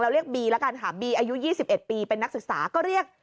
เรียกบีละกันค่ะบีอายุ๒๑ปีเป็นนักศึกษาก็เรียก